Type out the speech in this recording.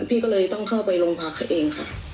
พี่ก็เลยต้องเข้าไปโรงพักเองค่ะ